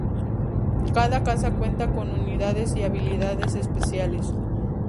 Cada casa cuenta con unidades y habilidades especiales.